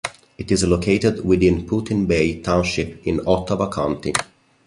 It is located within Put-in-Bay Township in Ottawa County.